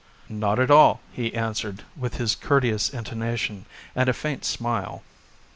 "Not at all," he answered with his courteous intonation and a faint smile.